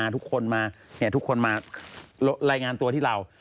ทุกคนมารายงานตัวที่เรา